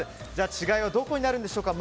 違いはどこになるでしょうか。